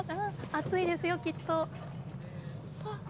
熱いですよ、きっと。